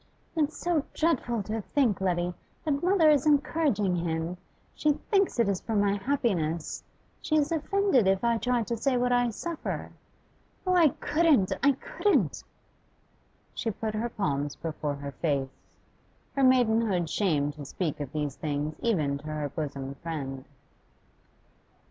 'It is so dreadful to think, Letty, that mother is encouraging him. She thinks it is for my happiness; she is offended if I try to say what I suffer. Oh, I couldn't! I couldn't!' She put her palms before her face; her maidenhood shamed to speak of these things even to her bosom friend.